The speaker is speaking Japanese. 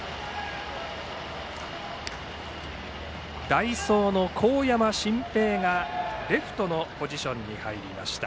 代走の神山芯平がレフトのポジションに入りました。